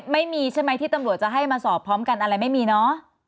ไม่มีใช่ไหมที่ตำรวจจะให้มาสอบพร้อมกันอะไรไม่มีเนอะ